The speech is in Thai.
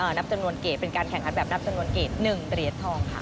นับจำนวนเกรดเป็นการแข่งขันแบบนับจำนวนเกรด๑เหรียญทองค่ะ